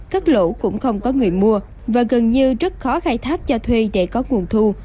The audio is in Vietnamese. cắt lỗ cũng không có người mua và gần như rất khó khai thác cho thuê để có nguồn thu